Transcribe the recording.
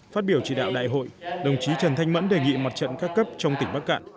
phát biểu chỉ đạo đại hội đồng chí trần thanh mẫn đề nghị mặt trận các cấp trong tỉnh bắc cạn